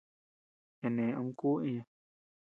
Chene am kuu iña.